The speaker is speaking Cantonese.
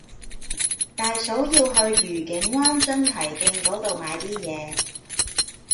大嫂要去愉景灣津堤徑嗰度買啲嘢